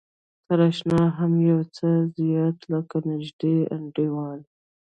تر اشنا هم يو څه زيات لکه نژدې انډيوال.